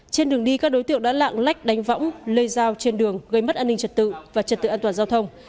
trên đường đi các đối tượng đã lạng lách đánh võng lây dao trên đường gây mất an ninh trật tự và trật tự an toàn giao thông